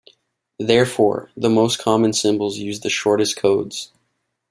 Therefore, the most common symbols use the shortest codes.